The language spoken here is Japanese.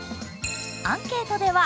アンケートでは